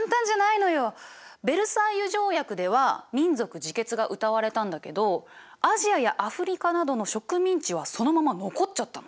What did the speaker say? ヴェルサイユ条約では民族自決がうたわれたんだけどアジアやアフリカなどの植民地はそのまま残っちゃったの。